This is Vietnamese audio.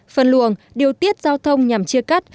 phân luồng điều tiết giao thông nhằm chia cắt